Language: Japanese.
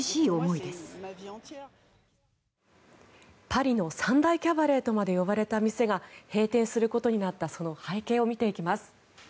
パリの３大キャバレーとまで呼ばれた店が閉店することになったその背景を見ていきます。